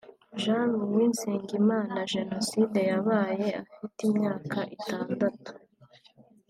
Jean Louis Nsengimana Jenoside yabaye afite imyaka itandatu